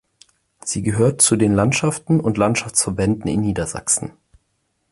Sie gehört zu den Landschaften und Landschaftsverbänden in Niedersachsen.